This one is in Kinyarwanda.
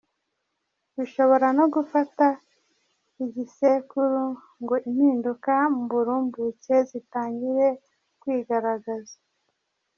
Bishobora no gufata igisekuru ngo impinduka mu burumbuke zitangire kwigaragaza.